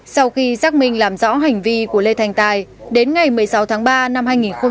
sau khi giác minh làm rõ hành vi của lê thành tài đến ngày một mươi sáu tháng ba năm hai nghìn một mươi bảy